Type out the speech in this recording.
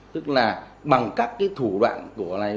tức là bằng các cái thủ đoạn của này